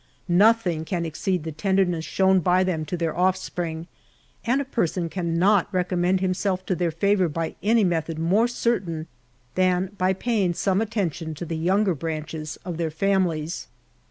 Nothing can exceed the tenderness shown by them to their offspring; and a person cannot recommend himself to their favour by any method more certain, than by paying some attention to the younger branches of their families.